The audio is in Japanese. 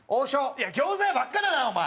いや餃子屋ばっかだなお前！